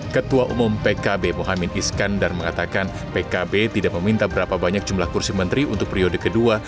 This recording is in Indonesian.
ketua umum pkb mohamad iskandar mengatakan pkb tidak meminta berapa banyak jumlah kursi menteri untuk periode kedua